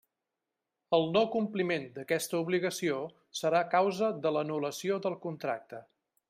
El no-compliment d'aquesta obligació serà causa de l'anul·lació del contracte.